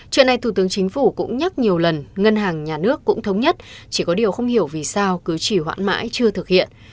chuyện này thủ tướng chính phủ cũng nhắc nhiều lần ngân hàng nhà nước cũng thống nhất chỉ có điều không hiểu vì sao cứ chỉ hoãn mãi chưa thực hiện